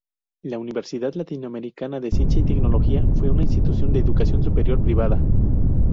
La Universidad Latinoamericana de Ciencia y Tecnología, fue una institución de educación superior, privada.